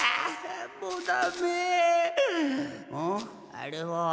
あれは？